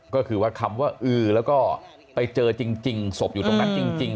ก็คือว่าคำว่าอือแล้วก็ไปเจอจริงศพอยู่ตรงนั้นจริง